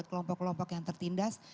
kelompok kelompok yang tertindas